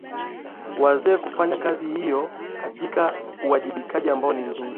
waweze kufanya kazi hiyo katika uwajibikaji ambao ni mzuri